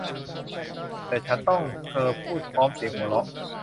แต่ฉันต้อง เธอพูดพร้อมเสียงหัวเราะ